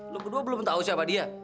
lo kedua belum tahu siapa dia